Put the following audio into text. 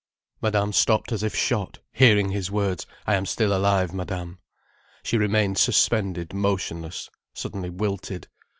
Madame stopped as if shot, hearing his words: "I am still alive, Madame." She remained suspended motionless, suddenly wilted.